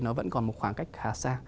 nó vẫn còn một khoảng cách khá xa